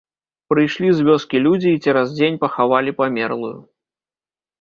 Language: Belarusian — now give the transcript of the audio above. Прыйшлі з вёскі людзі і цераз дзень пахавалі памерлую.